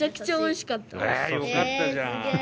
よかったじゃん。